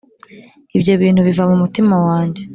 ibyo bintu biva mu mutima wanjye